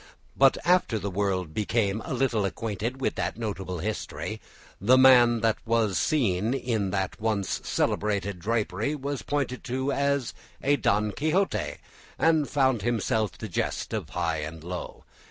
But after the world became a little acquainted with that notable history, the man that was seen in that once celebrated drapery was pointed at as a Don Quixote, and found himself the jest of high and low.